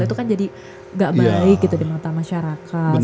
itu kan jadi nggak baik gitu di mata masyarakat